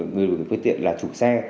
người được quyền phương tiện là chủ xe